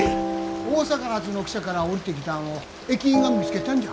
大阪発の汽車から降りてきたんを駅員が見つけたんじゃ。